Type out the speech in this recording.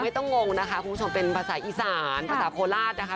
ต้องงงนะคะคุณผู้ชมเป็นภาษาอีสานภาษาโคราชนะคะ